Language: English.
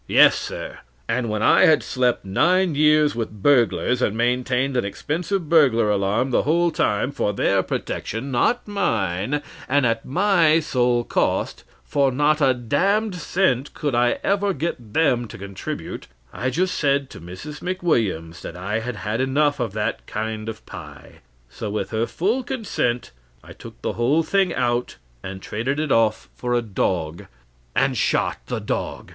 Yes, sir, and when I had slept nine years with burglars, and maintained an expensive burglar alarm the whole time, for their protection, not mine, and at my sole cost for not a d d cent could I ever get THEM to contribute I just said to Mrs. McWilliams that I had had enough of that kind of pie; so with her full consent I took the whole thing out and traded it off for a dog, and shot the dog.